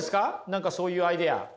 何かそういうアイデア。